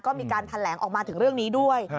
ก็มีการแถลงออกมาถึงเรื่องนี้ด้วย